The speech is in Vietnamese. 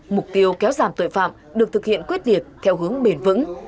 mục tiêu kéo giảm tội phạm được thực hiện quyết liệt theo hướng bền vững